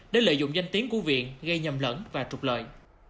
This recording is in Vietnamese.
để lợi dụng danh tiếng của viện gây nhầm lẫn và trục lợi